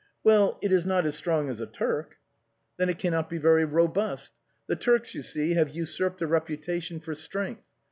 " Well, it is not as strong as a Turk." " Then it cannot be very robust. The Turks, you see, have usurped a reputation for strength.